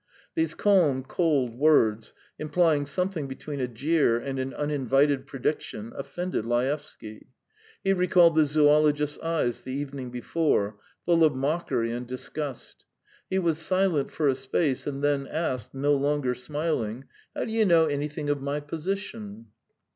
These calm, cold words, implying something between a jeer and an uninvited prediction, offended Laevsky. He recalled the zoologist's eyes the evening before, full of mockery and disgust. He was silent for a space and then asked, no longer smiling: "How do you know anything of my position?"